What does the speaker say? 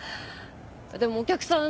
でもお客さん